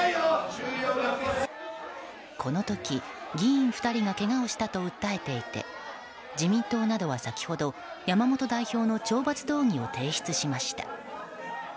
この時、議員２人がけがをしたと訴えていて自民党などは先ほど山本代表の懲罰動議を提出しました。